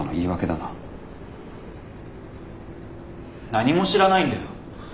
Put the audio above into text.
何も知らないんだよ。